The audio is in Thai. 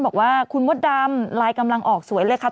บอกว่าคุณมดดำลายกำลังออกสวยเลยครับ